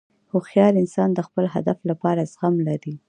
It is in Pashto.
هوښیار انسان د خپل هدف لپاره زغم لري.